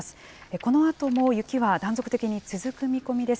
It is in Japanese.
このあとも雪は断続的に続く見込みです。